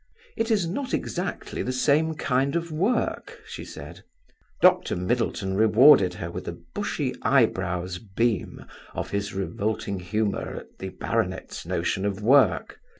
"It is not exactly the same kind of work," she said. Dr Middleton rewarded her with a bushy eyebrow's beam of his revolting humour at the baronet's notion of work.